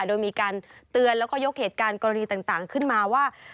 โดยมีการเตือนแล้วก็ยกเหตุการณ์กรณีต่างขึ้นมาว่า